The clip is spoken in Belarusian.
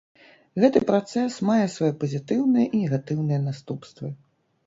Гэты працэс мае свае пазітыўныя і негатыўныя наступствы.